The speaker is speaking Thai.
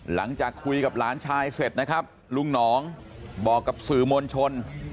หลังจากคุยกับหลานชายเสร็จนะครับลุงหนองบอกกับสื่อมวลชน